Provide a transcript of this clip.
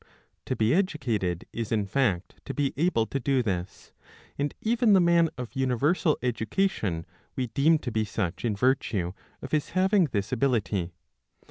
To be educated is in fact to be able to do this ; and even the man of universal education we deem to be such in virtue of his having this ability.